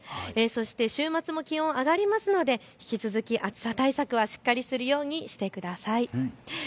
そして週末も気温、上がりますので、引き続き、暑さ対策はしっかりするようにしてください。